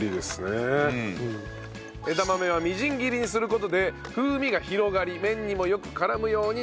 枝豆はみじん切りにする事で風味が広がり麺にもよく絡むようになる。